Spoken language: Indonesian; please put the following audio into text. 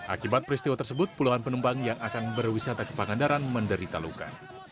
akibat peristiwa tersebut puluhan penumpang yang akan berwisata ke pangandaran menderita luka